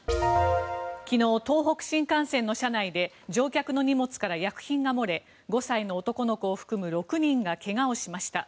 昨日、東北新幹線の車内で乗客の荷物から薬品が漏れ５歳の男の子を含む６人が怪我をしました。